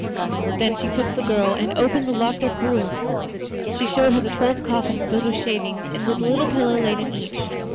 Then she took the girl and opened the locked up room; she showed her the twelve coffins filled with shavings, and with the little pillow laid in each.